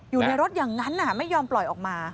อยู่ในรถอย่างนั้นไม่ยอมปล่อยออกมา